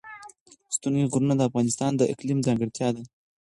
ستوني غرونه د افغانستان د اقلیم ځانګړتیا ده.